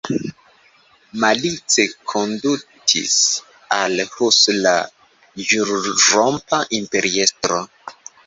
Malice kondutis al Hus la ĵurrompa imperiestro.